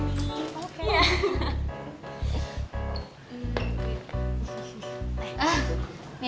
gue bawa donut nih buat kalian semua